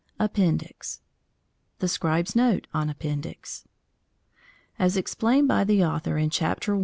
APPENDIX THE SCRIBE'S NOTE ON APPENDIX As explained by the author in Chapter I.